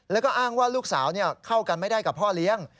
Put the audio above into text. แล้วก็อ้างว่าลูกสาวเข้ากันไม่ได้กับพ่อเลี้ยง